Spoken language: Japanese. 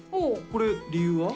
これ理由は？